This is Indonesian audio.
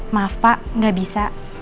maaf pak gak bisa